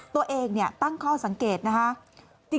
ตัวเองตั้งข้อสังเกตนะคะ